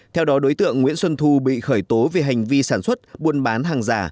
theo đó đối tượng nguyễn xuân thu bị khởi tố về hành vi sản xuất buôn bán hàng giả